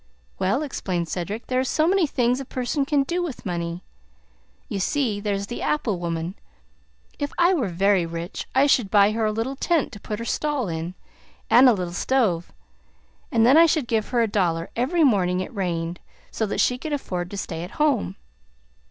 "Well," explained Cedric, "there are so many things a person can do with money. You see, there's the apple woman. If I were very rich I should buy her a little tent to put her stall in, and a little stove, and then I should give her a dollar every morning it rained, so that she could afford to stay at home.